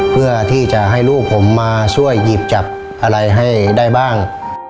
เพื่อที่จะให้ลูกผมมาช่วยหยิบจับอะไรให้ได้บ้าง